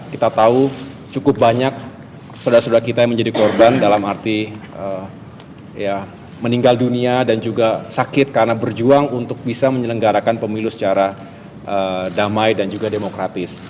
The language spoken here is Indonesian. kita tahu cukup banyak saudara saudara kita yang menjadi korban dalam arti meninggal dunia dan juga sakit karena berjuang untuk bisa menyelenggarakan pemilu secara damai dan juga demokratis